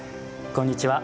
こんにちは。